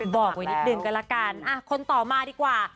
บอกไว้นิดนึงก็ละกันคนต่อมาดีกว่า